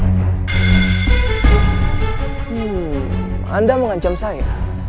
hmm anda mengancam saya